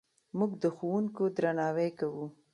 موږ د ښوونکو درناوی کوو.